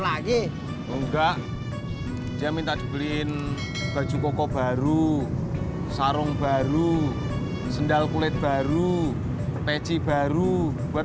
lagi enggak dia minta dibeliin baju koko baru sarung baru sendal kulit baru peci baru buat